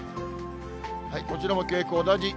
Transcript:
こちらも傾向、同じ。